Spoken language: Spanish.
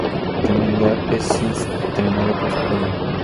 Camila es entrenada por su padre.